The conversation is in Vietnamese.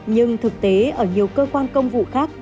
nhưng thực tế ở nhiều cơ quan công vụ khác